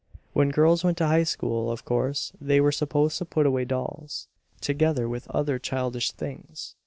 When girls went to high school, of course they were supposed to put away dolls, together with other childish things.